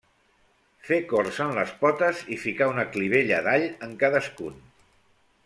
Fer corts en les potes i ficar una clivella d'all en cadascun.